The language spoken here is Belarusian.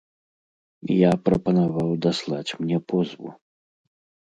Я прапанаваў даслаць мне позву.